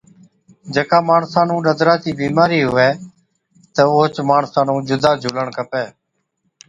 جڪا ماڻسا نُون ڏَدرا چِي بِيمارِي هُوَي، تہ اوهچ ماڻسا نُون جُدا جھُولڻ کپَي